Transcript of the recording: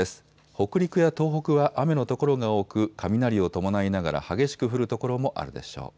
北陸や東北は雨の所が多く雷を伴いながら激しく降る所もあるでしょう。